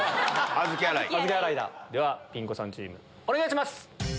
ではピン子さんチームお願いします！